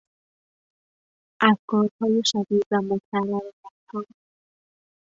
افگارهای شدید و مکرر رگها